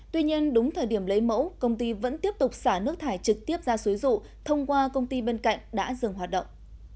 tuy nhiên đúng thời điểm lấy mẫu công ty vẫn tiếp tục xả nước thải trực tiếp ra suối rụ thông qua công ty bên cạnh đã dừng hoạt động